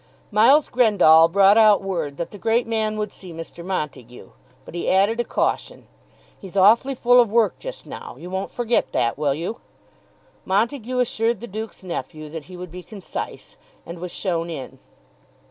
Miles Grendall brought out word that the great man would see Mr. Montague; but he added a caution. "He's awfully full of work just now, you won't forget that; will you?" Montague assured the duke's nephew that he would be concise, and was shown in.